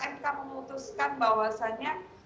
mk memutuskan bahwasanya